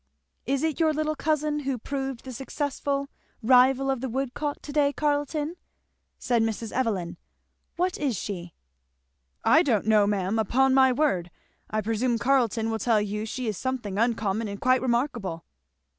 "Is it your little cousin who proved the successful rival of the woodcock to day, Carleton?" said Mrs. Evelyn. "What is she?" "I don't know, ma'am, upon my word. I presume Carleton will tell you she is something uncommon and quite remarkable."